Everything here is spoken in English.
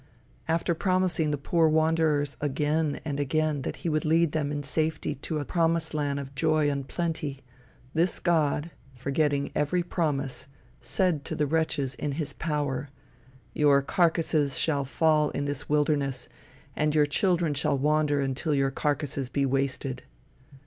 After promising the poor wanderers again and again that he would lead them in safety to the promised land of joy and plenty, this God, forgetting every promise, said to the wretches in his power: "Your carcasses shall fall in this wilderness and your children shall wander until your carcasses be wasted."